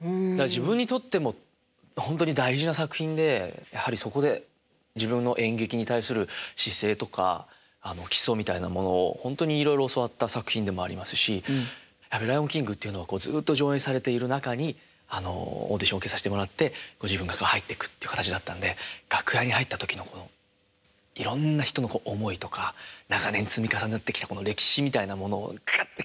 自分にとってもほんとに大事な作品でやはりそこで自分の演劇に対する姿勢とか基礎みたいなものをほんとにいろいろ教わった作品でもありますしやっぱ「ライオンキング」っていうのはずっと上演されている中にあのオーディション受けさせてもらって自分が入ってくって形だったんで楽屋に入った時のこのいろんな人の思いとか長年積み重なってきたこの歴史みたいなものをクッて感じて